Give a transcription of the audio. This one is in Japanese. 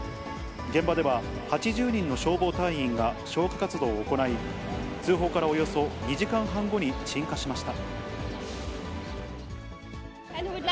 現場では８０人の消防隊員が消火活動を行い、通報からおよそ２時間半後に鎮火しました。